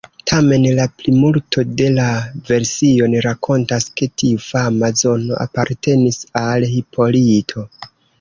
Tamen, la plimulto de la version rakontas ke tiu fama zono apartenis al Hipolito.